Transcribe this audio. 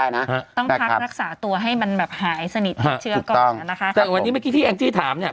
ใช่นะฮะต้องพักรักษาตัวให้มันแบบหายสนิทหาเชื้อก่อนนะคะแต่วันนี้เมื่อกี้ที่แองจี้ถามเนี่ย